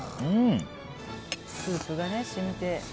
スープが染みて。